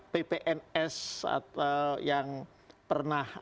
ppns yang pernah